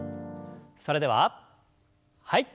それでははい。